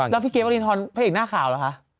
แล้วพี่เก๊วรินทรพระเอกหน้าข่าวเหรอคะ